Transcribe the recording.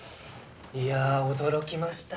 いやあ驚きました。